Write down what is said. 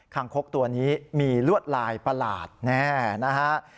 งคกตัวนี้มีลวดลายประหลาดแน่นะฮะ